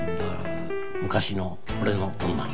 昔の俺の女。